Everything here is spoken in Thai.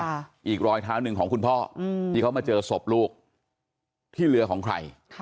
ตรวจแบบอีกรอยเท้าหนึ่งของคุณพ่อว่าเขามาเจอศพลูกที่เรือของใคร